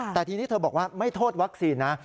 แต่ทีนี้เธอบอกว่าไม่โทษวัคซีนนะ